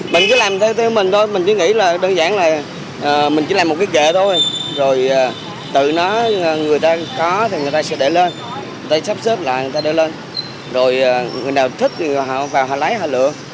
mình chỉ làm theo tụi mình thôi mình chỉ nghĩ là đơn giản là mình chỉ làm một cái kệ thôi rồi tự nó người ta có thì người ta sẽ để lên người ta sắp xếp lại người ta để lên rồi người nào thích thì họ vào họ lấy họ lựa